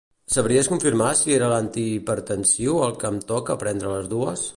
Sabries confirmar si era l'antihipertensiu el que em toca prendre a les dues?